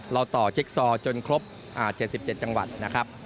เราต่อจิ๊กซอจนครบ๗๗จังหวัดนะครับ